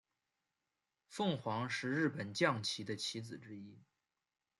凤凰是日本将棋的棋子之一。